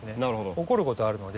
起こることあるので。